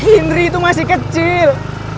indri itu masih kecil